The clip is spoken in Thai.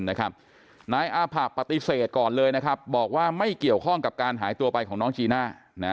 นายอาผะปฏิเสธก่อนเลยนะครับบอกว่าไม่เกี่ยวข้องกับการหายตัวไปของน้องจีน่า